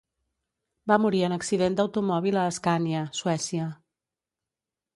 Va morir en accident d'automòbil a Escània, Suècia.